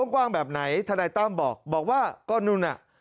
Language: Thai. กว้างแบบไหนทนายตั้มบอกบอกว่าก็นู่นน่ะ